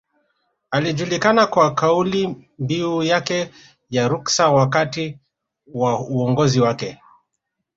Alijulikana kwa kaulimbiu yake ya Ruksa wakati wa uongozi wake